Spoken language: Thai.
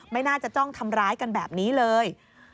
ไม่น่าจะจ้องทำร้ายกันแบบนี้เลย